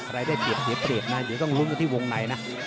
ได้เปรียบเสียเปรียบนะเดี๋ยวต้องลุ้นกันที่วงในนะ